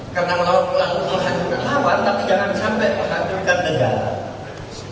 karena melakukan hal hal tapi jangan sampai menghancurkan negaranya